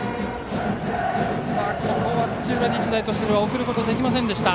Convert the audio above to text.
ここは、土浦日大としては送ることができなかった。